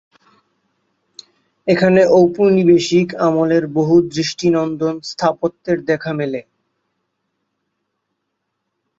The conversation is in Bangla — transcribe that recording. এখানে ঔপনিবেশিক আমলের বহু দৃষ্টিনন্দন স্থাপত্যের দেখা মেলে।